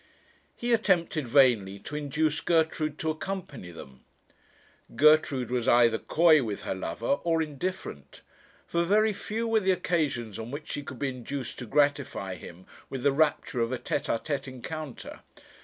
He attempted, vainly, to induce Gertrude to accompany them. Gertrude was either coy with her lover, or indifferent; for very few were the occasions on which she could be induced to gratify him with the rapture of a tête à tête encounter.